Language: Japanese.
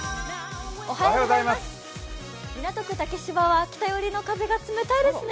港区竹芝は北寄りの風が冷たいですね。